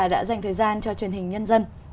đã dành thời gian cho truyền hình nhân dân